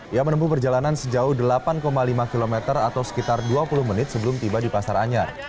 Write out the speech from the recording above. ia menempuh perjalanan sejauh delapan lima km atau sekitar dua puluh menit sebelum tiba di pasar anyar